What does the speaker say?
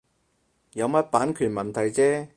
有乜版權問題啫